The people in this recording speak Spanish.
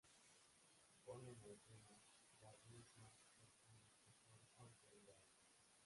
Ponen a escena las mismas personas que son autoridades.